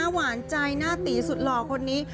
หวานใจหน้าตีสุดหล่อคนนี้